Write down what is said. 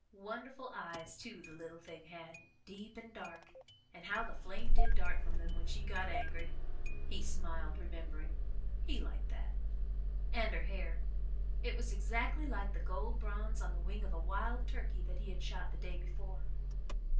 Wonderful eyes, too, the little thing had deep and dark and how the flame did dart from them when she got angry! He smiled, remembering he liked that. And her hair it was exactly like the gold bronze on the wing of a wild turkey that he had shot the day before.